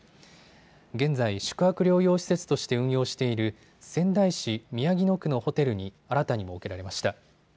現在、宿泊療養施設として運用している仙台市宮城野区のホテルに新たに設けられました。